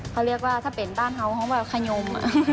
เขาเรียกว่าถ้าเป็นบ้านเฮาส์เขาเขาเรียกว่าขยม